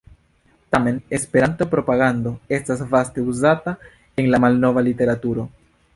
Tamen "Esperanto-propagando" estas vaste uzata en la malnova literaturo.